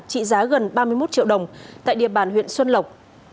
trị giá gần ba mươi một triệu đồng tại địa bàn huyện xuân lộc